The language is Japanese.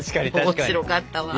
面白かったわ。